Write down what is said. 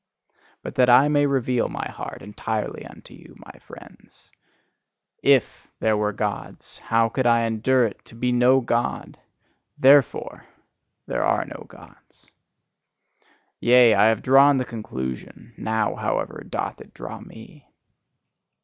But that I may reveal my heart entirely unto you, my friends: IF there were gods, how could I endure it to be no God! THEREFORE there are no Gods. Yea, I have drawn the conclusion; now, however, doth it draw me.